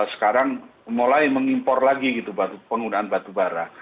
sekarang mulai mengimpor lagi gitu penggunaan batu bara